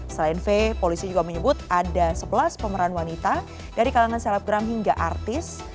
selain v polisi juga menyebut ada sebelas pemeran wanita dari kalangan selebgram hingga artis